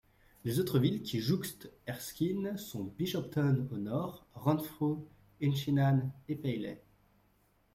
Les autres villes qui jouxtent Erskine sont Bishopton au nord, Renfrew, Inchinnan et Paisley.